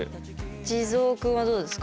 地蔵くんはどうですか？